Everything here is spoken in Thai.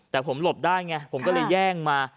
แต่ผมหลบได้ไงผมก็เลยแย่งมา